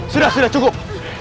sudah sudah cukup